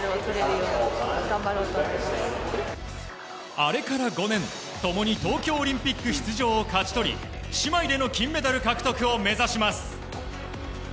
あれから５年共に東京オリンピック出場を勝ち取り姉妹での金メダル獲得を目指します。